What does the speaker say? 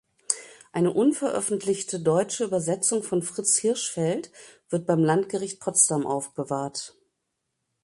Eine unveröffentlichte deutsche Übersetzung von Fritz Hirschfeld wird beim Landgericht Potsdam aufbewahrt.